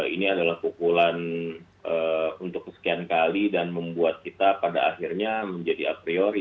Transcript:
ini adalah pukulan untuk kesekian kali dan membuat kita pada akhirnya menjadi a priori